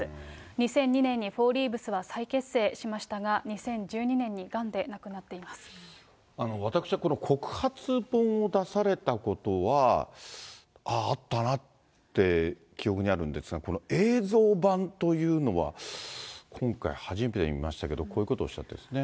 ２００２年にフォーリーブスは再結成しましたが、２０１２年にが私はこの告発本を出されたことは、ああ、あったなって記憶にあるんですが、この映像版というのは、今回初めて見ましたけど、こういうことをおっしゃってるんですね。